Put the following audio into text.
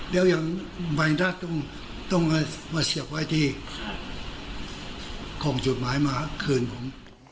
เดี๋ยวอย่างใบหน้าต้องมาเสียบไว้ที่ของจดหมายมาคืนผม